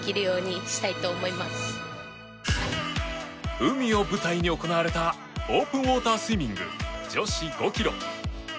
海を舞台に行われたオープンウォータースイミング女子５ｋｍ。